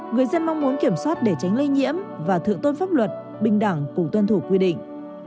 người dân mong muốn kiểm soát để tránh lây nhiễm và thượng tôn pháp luật bình đẳng cùng tuân thủ quy định